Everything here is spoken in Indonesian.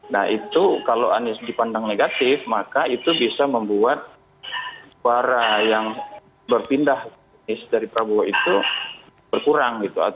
nah itu kalau anies dipandang negatif maka itu bisa membuat suara yang berpindah dari prabowo itu berkurang gitu